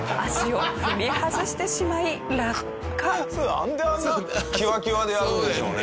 なんであんな際々でやるんでしょうね。